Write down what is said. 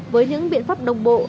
với những biện pháp đồng bộ